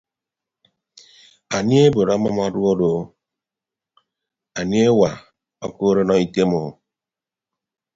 Anie ebod ọmʌm ọduọd o anie ewa okood ọnọ item o.